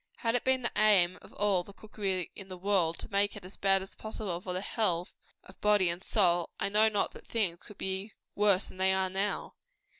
Had it been the aim of all the cookery in the world, to make it as bad as possible for the health of body and soul, I know not that things could have been worse than they are now.